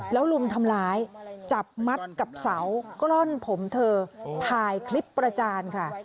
แล้วลุมทำร้ายจับมัดกับเสากล้อนผมเธอถ่ายคลิปประจานค่ะ